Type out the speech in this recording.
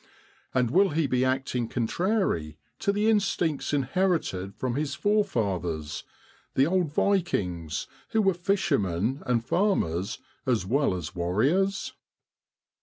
And will he be acting contrary to the instincts inherited from his forefathers the old Vikings, who were fishermen and farmers as well as warriors